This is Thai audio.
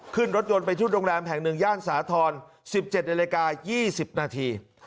ขึ้นรถยนต์ไปที่โรงแรมแผ่งหนึ่งย่านสาธรณ์สิบเจ็ดในรายการยี่สิบนาที